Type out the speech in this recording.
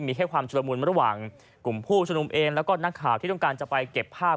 มีแค่ความชุดละมุนระหว่างกลุ่มผู้ชมนุมเองแล้วก็นักข่าวที่ต้องการจะไปเก็บภาพ